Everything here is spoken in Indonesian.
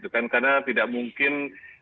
karena tidak mungkin